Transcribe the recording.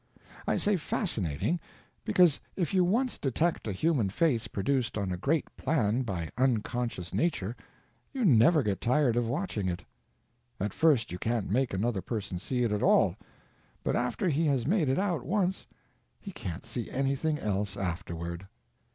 I say fascinating, because if you once detect a human face produced on a great plan by unconscious nature, you never get tired of watching it. At first you can't make another person see it at all, but after he has made it out once he can't see anything else afterward.